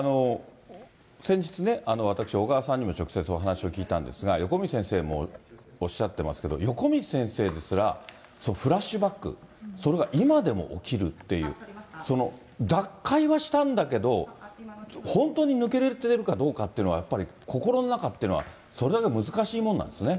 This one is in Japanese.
先日ね、私、小川さんにも直接お話を聞いたんですが、横道先生もおっしゃってますけど、横道先生ですら、フラッシュバック、それが今でも起きるっていう、脱会はしたんだけど、本当に抜けれてるかどうかっていうのは、やっぱり心の中っていうのは、それだけ難しいものなんですね。